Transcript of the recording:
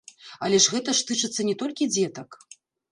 Але гэта ж тычыцца не толькі дзетак!